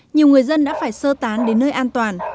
nhiều người dân đã phải sơ tán đến nơi an toàn